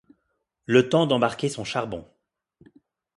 Le temps d’embarquer son charbon.